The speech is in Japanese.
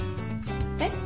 えっ？